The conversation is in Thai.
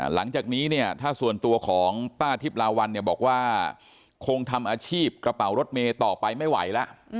หลังจากนี้เนี่ยถ้าส่วนตัวของป้าทิพลาวันเนี่ยบอกว่าคงทำอาชีพกระเป๋ารถเมย์ต่อไปไม่ไหวแล้ว